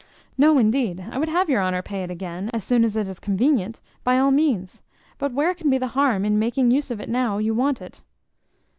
No, indeed, I would have your honour pay it again, as soon as it is convenient, by all means; but where can be the harm in making use of it now you want it?